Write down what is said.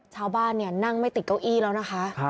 ชาวบ้านนั่งไม่ติดเก้าอี้แล้วนะคะ